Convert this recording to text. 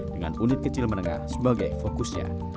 dengan unit kecil menengah sebagai fokusnya